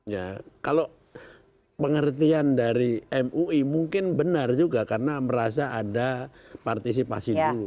ya kalau pengertian dari mui mungkin benar juga karena merasa ada partisipasi dulu